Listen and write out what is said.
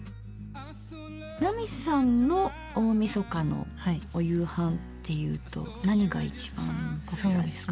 奈美さんの大みそかのお夕飯っていうと何が一番ポピュラーですか？